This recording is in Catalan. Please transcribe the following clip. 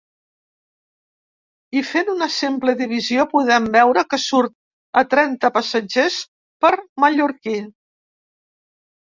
I fent una simple divisió podem veure que surt a trenta passatgers per mallorquí.